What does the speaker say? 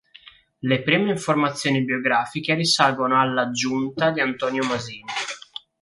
Le prime informazioni biografiche risalgono all"Aggiunta" di Antonio Masini.